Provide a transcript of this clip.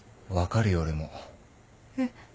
えっ？